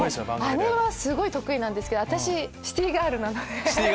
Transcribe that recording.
姉は得意なんですけど私シティーガールなので。